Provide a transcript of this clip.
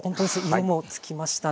色もつきましたね。